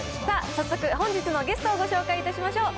早速、本日のゲストをご紹介いたしましょう。